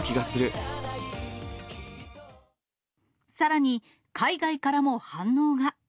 さらに、海外からも反応が。